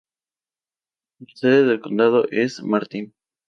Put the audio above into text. La sede del condado es Martin.